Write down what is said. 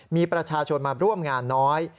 มีประชาชนมาร่วมงานน้อย